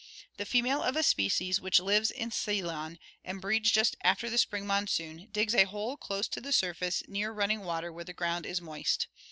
The female of a species which lives in Ceylon and breeds just after the spring mon soon, digs a hole close to the sur face near run ning water where the ground is moist.